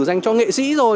dành cho nghệ sĩ rồi